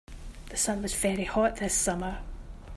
The sun was very hot this summer.